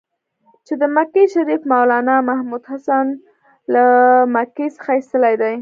چې د مکې شریف مولنا محمودحسن له مکې څخه ایستلی دی.